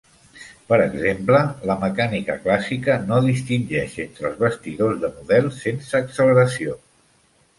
Per exemple, la mecànica clàssica no distingeix entre als bastidors de models sense acceleració.